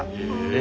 え。